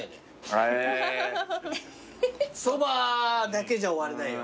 そばだけじゃ終われないよ。